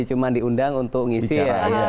cuma diundang untuk ngisi ya